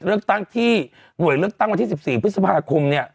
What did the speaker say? เรื่องตั้งที่หน่วยเรื่องตั้งวันที่๑๔พฤษภาคม